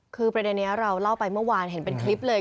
คือประเด็นนี้เราเล่าไปเมื่อวานเห็นเป็นคลิปเลย